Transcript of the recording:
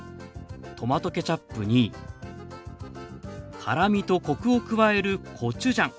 トマトケチャップに辛みとコクを加えるコチュジャン。